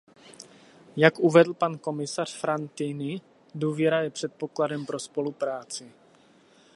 Jak uvedl pan komisař Frattini, důvěra je předpokladem pro spolupráci.